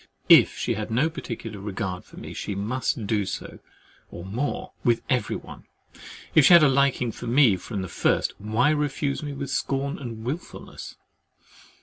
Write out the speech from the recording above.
"If she had no particular regard for me, she must do so (or more) with everyone: if she had a liking to me from the first, why refuse me with scorn and wilfulness?"